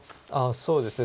そうですね。